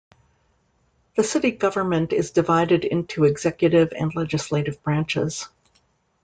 The city government is divided into executive and legislative branches.